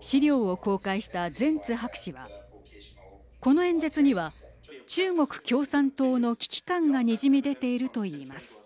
資料を公開したゼンツ博士はこの演説には中国共産党の危機感がにじみ出ているといいます。